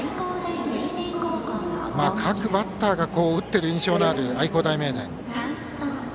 各バッターが打っている印象のある愛工大名電。